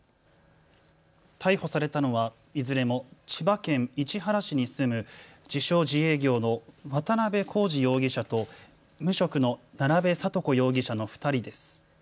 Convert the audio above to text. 逮捕されたのはいずれも千葉県市原市に住む自称・自営業の渡邉功二容疑者と無職の奈良部哲子容疑者の２人です。